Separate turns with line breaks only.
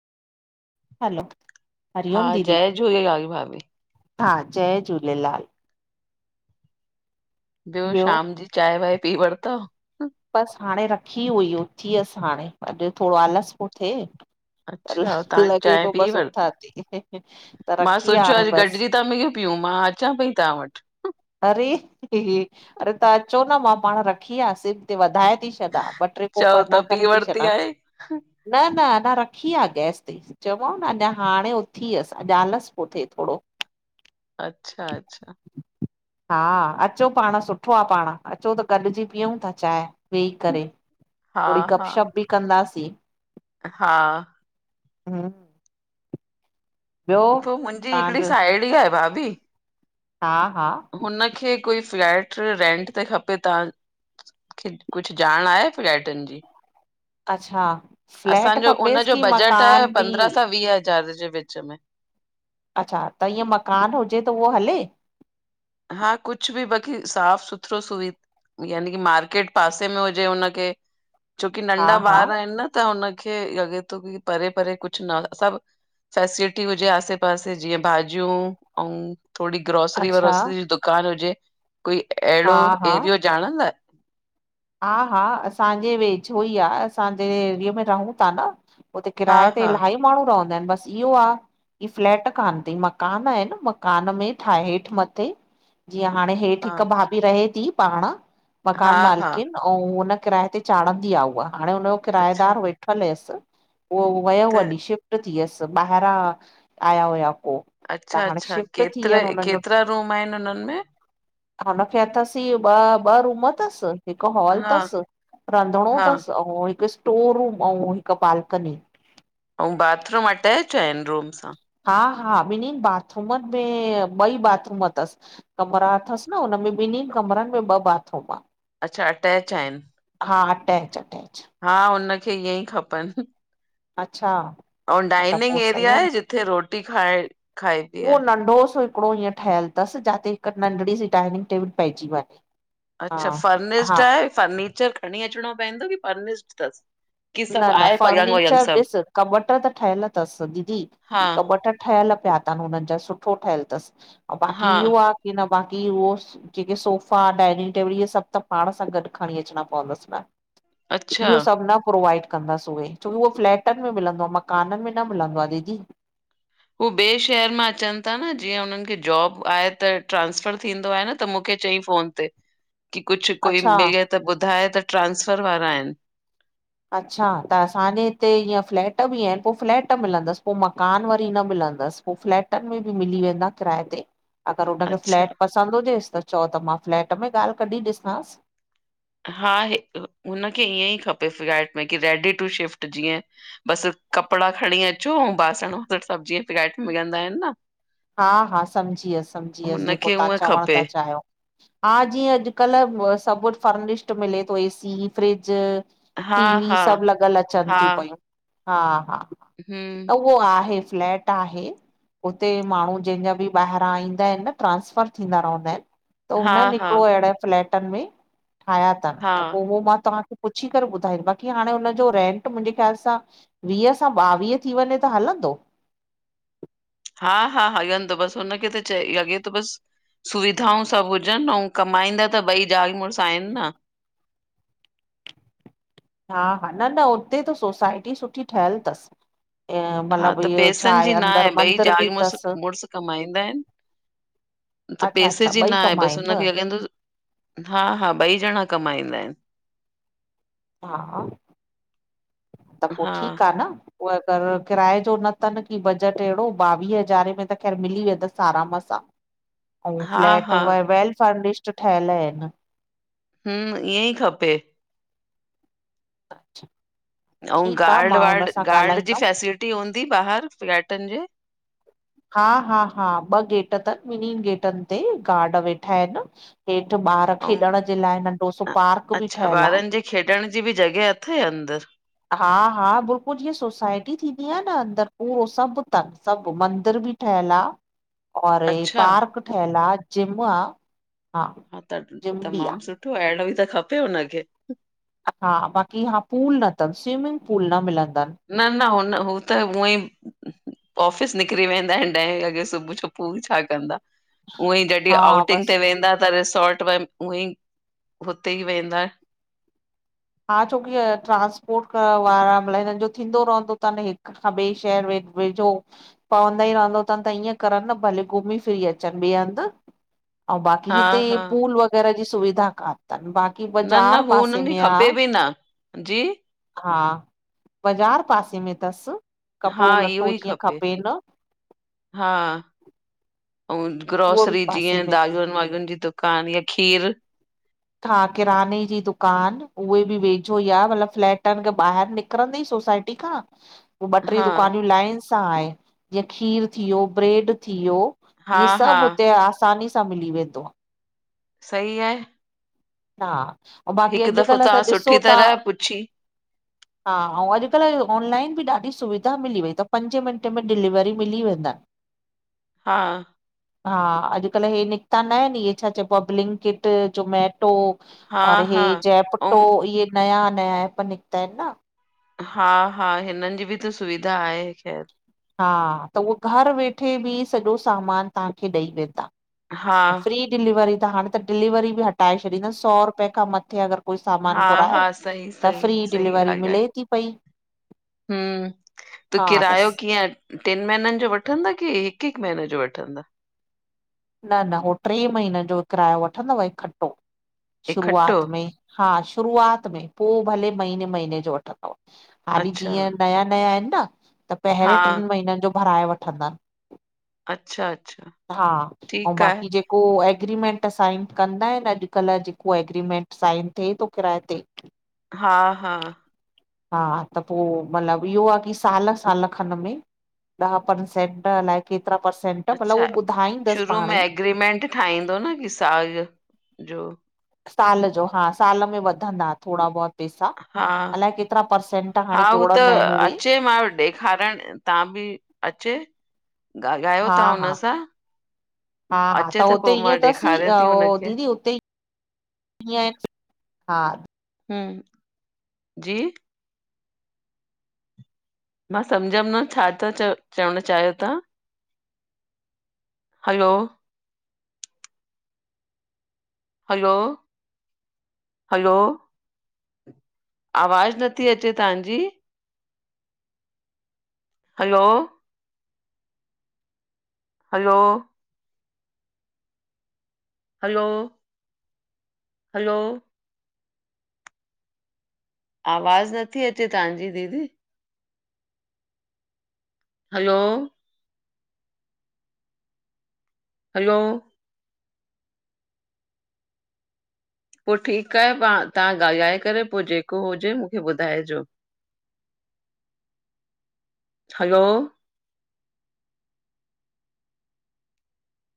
हलो
हा
हरिओम दीदी
जय झूलेलाल भाभी
हा जय झूलेलाल
ॿियो शाम जी चांए वांए पी वरतव
बसि हाणे रखी हुई उथी हसि हाणे अॼु थोरो आलस पियो थिए। त
अच्छा
ल-
तहां
लॻे
चाय
पियो
पी
बसि उथां
वरती
थी त
मां
रखी आहे
सोचियो
हाणे
अॼु
बसि
गॾिजी था मिली पियूं मां अचा पई तहां वटि
अरे! अड़े तव्हां अचो न मां पाण रखी आ सिम ते वधाए थी छॾा ॿ टे कोप
चओ त
अना
पी
करे थी
वरिती
छॾांस
आहे,
न न अञा रखी आ गैस ते चओमाव न अञा हाणे उथी हसि अॼु आलसि पोइ थिए थोरो।
अच्छा अच्छा
हा अचो पाण सुठो आ पाण अचो त गॾजी पियऊं था चाय वेही करे
हा
थोड़ी
हा
गपशप बि कंदासीं।
हा
हम्म। ॿियो
पो मुंजी हिकड़ी
तव्हांजो
साहिड़ी आहे भाभी
हा हा
हुन हुन खे कोई फ्लैट रेंट ते खपे तहां कुछ ॼाण आहे फ्लैटन जी
अच्छा। फ्लैट
असांजो
खपेसि
उनजो
की
बजट आए
मकान बि
पंद्रहवां सां वीह हज़ार जे विच में
अच्छा त ईअं मकान हुजे त उहो हले?
हा कुछ बि बाक़ी साफ़ सुथरो सुवि याने कि मार्केट पासे में हुजे हुनखे छोकी
हा
नंढा
हा
ॿार आहिनि न त हुनखे लॻे तो कि परे परे कुछ न सब फैसिलिटी हुजे आसे- पासे जीअं भाॼियूं अऊं थोड़ी ग्रोसरी
अच्छा
व्रोसरी जो दुकान हुजे कोई
हा
अहिड़ो
हा
एरियो ॼाणंदा आयो।
हा हा असांजे वेझो ई आ असां जहि एरिए में रहूं ता न उते
हा
किराए ते
हा
इलाही माण्हूं रहंदा इन बस इहो आ इ फ्लैट कान तई मकान आइन मकान में ठाहे हेठि मथे जीअं हाणे हेठ
हा
हिकु भाभी रहे ती पाण
हा
मकान मालिक
हा
अऊं हुन किराये ते चाणंदी आ उहा हाणे हुनजो
अच्छा
किरायेदार वेठल हुयस उओ वयो
त
हली शिफ्ट थी वियस ॿाहिरां आया हुया पो
अच्छा
त हाणे
अच्छा
शिफ्ट थी विया
केतरे
आहिनि हुननि जो
केतरा रूम आइन उन में?
हुनखे अथस ई इये ॿ ॿ रूम तस हिक हॉल
हा
तस रंधणो
हा
तस अऊं हिक स्टोर रूम अऊं हिक बालकनी
अऊं बाथरूम अटेच आइन रूम सां?
हा हा ॿिनींन बाथरूमन में ॿई बाथरूम तस! कमरा अथस न हुनमें ॿिनीं कमरन में ॿ बाथरूम आ!
अच्छा अटैच आइन?
हा अटैच अटैच!
हा हुनखे ईअं ई खपन!
अच्छा!
अऊं
हा त
डाइनिंग
पोइ सही
एरिया
आहे न
आए जिथे रोटी खाए खाएबी आ?
अंडोस [unintelligible] हिकड़ो हींअ ठयल तस जाते हिक नंढणी सी डाइनिंग टेबल पेजी वञे! हा
अच्छा
हा
फर्निशड आए फर्निचर खणी अचणो पवंदो की फर्निशड तस?
न न फर्नीचर ॾिस कॿट त ठयल तस दीदी
हा
कॿट ठयल पिया तन हुनन जा सुठो ठयल तस अऊं बाक़ी
हा
इहो आ की न बाक़ी उहो जेके सोफ़ा डाइनिंग टेबल इये सब त पाण सां गॾ खणी अचणा पवंदस न!
अच्छा
इयो सब न प्रोवाइड कंदस उवे छोकी उहो फ्लैटन में मिलंदो आ मकानन में न मिलंदो आ दीदी!
उवे ॿिए शहर मां अचन ता न जीअं हुनन खे जॉब आहे त ट्रांसफर थींदो आहे न त मूंखे चई फोन ते की कुछ कोई
अच्छा
मिले त ॿुधाए त ट्रांसफर वारा आइन!
अच्छा त असांजे हिते ईअं फ्लैट बि आइन पो फ्लैट मिलंदस पो मकान वरी न मिलंदस! पो फ्लैटन में बि मिली वेंदा किराए ते! अगर हुनखे
अच्छा
फ्लैट पसंद हुजेस त चओ त मां फ्लैट में ॻाल कढी ॾिसांस!
हा हे हुनखे ईअं ई खपे फ्लैट में की रेडी टू शिफ्ट जीअं! बस कपिड़ा खणी अचो अऊं बासण फिर सब जीअं फ्लैट में वेंदा आइन न!
हा हा सम्झी वियस सम्झी वियस जेको
हुनखे
तव्हां
हूअं
चवण
खपे
ता चायो! हा जीअं अॼुकल सब फर्निशड मिले तो ए सी फ्रिज
हा
टी वी
हा
सब लॻल अचन तियूं पयूं हा हा!
हम्म्!
उहो आहे फ्लैट आहे उते माण्हू जंहिंजा बि ॿाहिरां ईंदा आहिनि न ट्रांसफर थींदा रहंदा आहिनि त
हा
हुननि
हा
हिकिड़ो अहिड़े फ्लैटनि में ठाहिया अथनि
हा
त पोइ उहो मां तव्हांखे पुछी करे ॿुधाई बाक़ी हाणे हुनज जो रेंट मुंहिंजे ख़्याल सां वीह सां ॿावीह थी वञे त हलंदो?
हा हा हंलदो बस हुनखे त चई लॻे तो बस सुविधाऊं सभु हुजनि अउ कमाईंदा त ॿई जाल मुरसु आहिनि न!
हा हा न न हुते त सोसाइटी सुठी ठहियल अथसि! ऐं
हा
मतिलबु
त
इहो छा
पेसन
आहे
जी न
अंदरि
आए ॿई
मंदर बि
जाल मुरस
अथसि
मुरस कमाईनदा आईन। त
अच्छा अच्छा
पैसे जी ई
ॿई
न आहे
कम
बस
आहिनि न
हुंके [unintelligible] हा हा ॿई जणा कमाईंदा आहिनि!
हा हा त पोइ
हा
ठीकु आहे न! उ अगरि किराए जो न अथनि की बजट अहिड़ो ॿावीह हज़ारे में त ख़ैर मिली वेंदसि आराम सां! अऊ
हा,
फ्लैट
हा,
उए वेल फर्निशड ठहियल आहिनि!
हम्म ईअं ई खप।
अच्छा
अऊ गार्ड वार्ड गार्ड जी
ॻाल्हाईंदमि
फैसिलिटी हूंदी ॿाहिर फ्लैटन जे?
हा हा हा ॿ गेट तन ॿिनन गेटन ते गार्ड वेठा आहिन। हेठ ॿार
ऐं
खेॾण जे लाइ नंढो सो
अ
पार्क बि
अच्छा
ठयल आ।
ॿारनि जे खेॾण जी बि जॻह अथई अंदर?
हा हा बुल्कुल जीअं सोसाइटी थींदी आ न अंदर पूरो सब थन सब मंदर भी ठेहयल आ और इ
अच्छा,
पार्क ठेहयल आ जिम आ।
हा त
जिम बि
तमाम सुठो आ एहिड़ो इ त खपे हुनखे।
हा बाक़ी हा पूल न तन स्विमिंग पूल न मिलंदन।
न न हुन हू त हूअ ई ऑफिस निकरी वेंदा आहिन ॾहें वॻे सुबुह जो पूल छा कंदा। ऊअं ई जॾहिं
हा
आउटिंग
बस
ते वेंदा त रिसोर्ट वन। उअ ई हुते ई वेंदा।
हा छोकी ट्रांस्पोर्ट वारा अलाए हिनन जो थींदो रहंदो तन हिक। हां ॿेए शहर वे वेझो। पवंदा ई रहंदो तन त ईअं करन न भले घुमी फिरी अचन ॿे हंद अऊ बाक़ी
हा,
हिते
हा,
पूल वग़ैरह जी सुविधा कान तन बाक़ी
न, न
बाज़ार
हू
पासे
हुननि खे
में आ।
खपे बि न जी
हा बाज़ार पासे में तस
हा,
कपड़ो
इहो
लटो
ई
जीअं
खपे।
खपेन।
हा अउ
उहो बि
ग्रोसरी
पासे
जीअं
में
दालुन वालुन जी दू कान आ खीर।
हा किराने जी दुकान उहे बि वेझो ई आ मतलब फ्लैटन खे ॿाहिर निक निकरंदे सोसाइटी खां
[inaudible]
उ ॿट्रे दुकानियूं लाइन सां आहीन जीअं खीर थी वियो ब्रेड थी वियो।
हा
इहे
हा
सब हुते आसानी सां मिली वेंदो आ।
सही आहे
हा ऐं बाक़ी
हिकु दफ़ो
अॼुकल्ह
तां
त ॾिसो
सुठी
था
तरह पुछी
हा अउ अॼकल्ह ऑनलाइन बि ॾाढी सुविधा मिली वई त पंजे मिंटे में डिलीवरी मिली वेंदन।
हा
हा अॼकल्ह हे निकता न आहिन इहे छा चइबो आ बलिंकिट जमेटो
हा
और हे
हा
जैपटो
ऐं
इहे नया नया एप निकता आहिन न।
हा हा हिनन जी बि त सुविधा आहे ख़ैर।
हा त उहो घर वेठे ॿि सॼो सामान तव्हांखे ॾई वेंदा।
हा
फ्री डिलीवरी त हाणें त डिलीवरी ॿि हटाए छॾींतन सौ रुपए खां मत्थे अगर कोई सामान
हा
घुराए
हा सही
त
सही
फ्री
सही
डिलीवरी
ॻाल्हि आहे
मिले ती पई।
हम्म त
हा तस
किरायो कीअं? टिन महिनन जो वठन्दा की हिक हिक महीने जो वठन्दा?
न न हो ट्रे महीनन जो किरायो वठंदव इकट्ठो
इकठो
शुरूआत में हा शुरूआत में पो भले महींने महींने ॼो वठंदव हाली
अच्छा
जीअं नया नया आहिन न त
हा
पहिरें ट्रिं महीनन जो भराए वठंदा।
अच्छा अच्छा
अऊं
ठीकु आहे
बाकी जो जेको एग्रीमेंट साइन कंदा आइन, अॼुकल्ह जेको एग्रीमेंट साइन थिए तो किराए ते
हा हा।
हा, त पो मतिलबु ईयो आ कि साल साल खण में ॾह परसेंट अलाए केतिरा परसेंट मतलब
अच्छा
उहो ॿुधाईंदस
शुरू में एग्रीमेंट ठाहींदो न कि साल ॼो, ॼो
साल ॼो, हा साल में वधंदा थोड़ा बहुत पेसा,
हा
अलाए केतिरा परर्सेंट
हा
हाणें
हू त
जोड़ंदा आहिन उहे।
मां अचे चयो ॾेखारण तां ॿि अचे् ॻाल्हायो
हा
तहां
हा
उन सां।
हा, हा
अचे
त हुते
पोइ मां
ईअं तसीं
ॾेखारियां
अ
थी
ओ
हुनखे
दीदी उते ीअ हा [unintelligible]
हां जी? मां सम्झमि न छा था चव चवणु चायो तहां? हलो। Hello hello. आवाज़ नथी अचे तहांजी! हलो! Hello- hello. हलो। आवाज़ु नथी अच्चे तवहांजी दीदी। हलो? हलो पो ठीकु आए पांण तव्हां ॻाल्हाए करे पो जेको हुजे मुखे ॿुधाइजो। हलो?